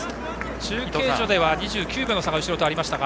中継所では２９秒の差が後ろとはありましたが。